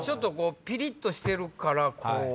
ピリっとしてるからこう。